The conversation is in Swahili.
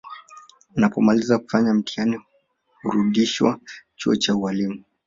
Anapomaliza kufanya mtihani hurudishwa chuo cha ualimu